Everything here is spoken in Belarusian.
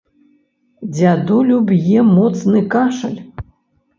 Дзядулю б'е моцны кашаль.